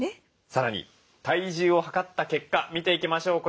さらに体重を量った結果見ていきましょう。